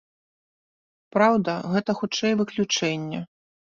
Праўда, гэта хутчэй выключэнне.